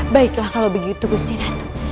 baiklah kalau begitu gusti ratu